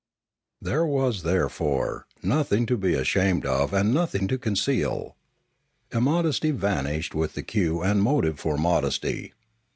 There was, therefore, nothing to be ashamed of and nothing to conceal. Immodesty vanished with the cue and motive for modesty.